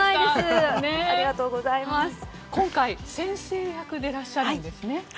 今回、先生役でいらっしゃるんですね。